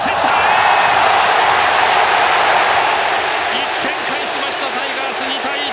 １点返しましたタイガース、２対１！